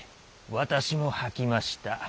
私も吐きました。